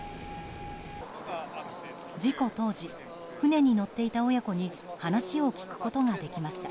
事故当時、船に乗っていた親子に話を聞くことができました。